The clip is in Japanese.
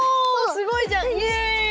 すごいじゃん！